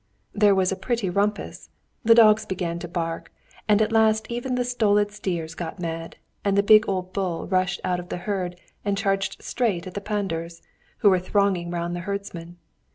There was a pretty rumpus, the dogs began to bark, and at last even the stolid steers got mad, and the big old bull rushed out of the herd and charged straight at the pandurs, who were thronging round the herdsman.